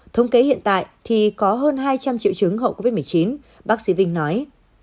thống kế hiện tại thì có hơn hai trăm linh triệu chứng hậu covid một mươi chín bác sĩ vinh nói